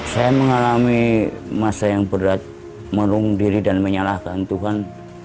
saya mengalami masa yang berat merung diri dan menyalahkan tuhan